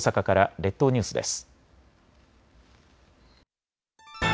列島ニュースです。